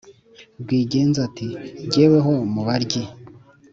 rwigenza, ati "jyeweho mu baryi,